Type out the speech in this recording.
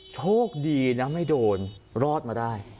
โชคดีนะไม่โดนรอดมาได้